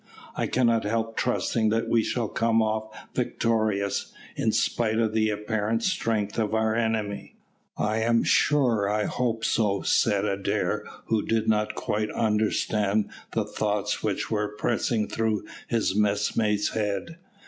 I cannot help trusting that we shall come off victorious, in spite of the apparent strength of our enemy." "I am sure I hope so," said Adair, who did not quite understand the thoughts which were pressing through his messmate's head.